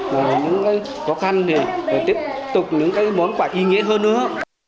và những món quà khó khăn tiếp tục đến những món quà ý nghĩa hơn nữa